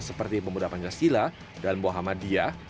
seperti pemuda pancasila dan muhammadiyah